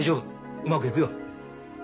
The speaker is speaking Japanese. うまくいくよ。